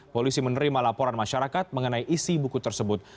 polisi menerima laporan masyarakat mengenai isi buku tersebut